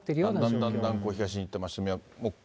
だんだんだんだん東に行っています。